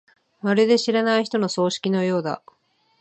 まるで知らない人の葬式のようだ。